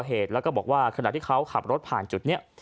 เห็นสิทธิ์เดี่ยวเวลาที่เขาขับรถผ่านจุดเนี่ย